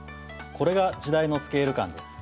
これが時代のスケール感です。